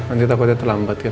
nanti takutnya terlambat kan